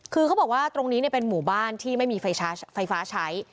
คือเขาบอกว่าตรงนี้เป็นหมู่บ้านที่ไม่มีไฟฟ้าใช้